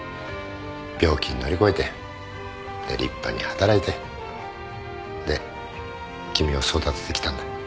病気乗り越えてで立派に働いてで君を育ててきたんだ。